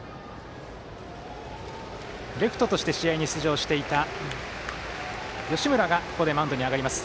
レフトとして試合に出場していた吉村がここでマウンドに上がります。